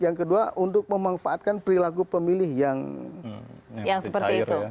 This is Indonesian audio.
yang kedua untuk memanfaatkan perilaku pemilih yang seperti itu